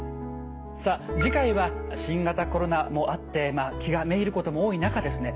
さあ次回は新型コロナもあって気がめいることも多い中ですね